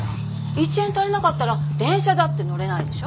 １円足りなかったら電車だって乗れないでしょ？